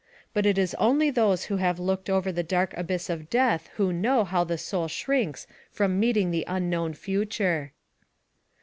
But it is only those who have looked over the dark abyss of death who know how the soul shrinks from meeting the unknown future.